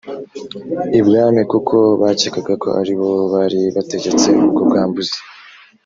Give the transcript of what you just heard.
ibwami kuko bakekaga ko ari bo bari bategetse ubwo bwambuzi